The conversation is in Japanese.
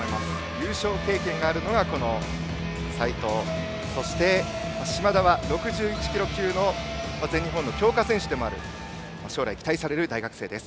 優勝経験があるのが、齊藤そして、嶋田は６１キロ級の全日本の強化選手でもあり将来が期待される大学生です。